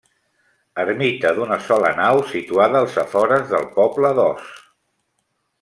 Ermita d'una sola nau situada als afores del poble d'Os.